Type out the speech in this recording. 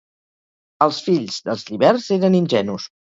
Els fills dels lliberts eren Ingenus.